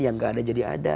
yang gak ada jadi ada